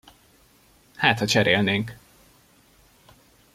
Hátha cserélnénk!